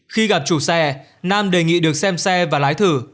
khi gặp chủ xe nam đề nghị được xem xe và lái thử